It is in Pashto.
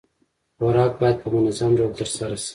خوراک بايد په منظم ډول ترسره شي.